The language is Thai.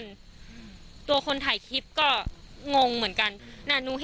ก็กลายเป็นว่าติดต่อพี่น้องคู่นี้ไม่ได้เลยค่ะ